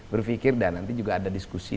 berpikir dan nanti juga ada diskusi